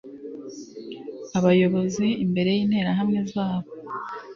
Abayobozi imbere yinterahamwe zabo